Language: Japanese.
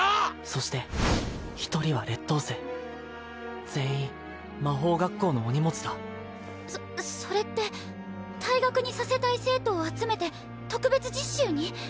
そして一人は劣等生全員魔法学校のお荷物だそそれって退学にさせたい生徒を集めて特別実習に？